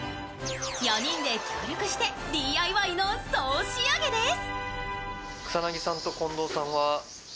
４人で協力してＤＩＹの総仕上げです。